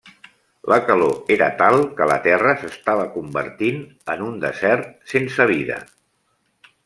La calor era tal que la terra s'estava convertint en un desert sense vida.